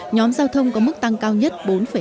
nhóm giao thông có mức tăng cao nhất bốn hai mươi chín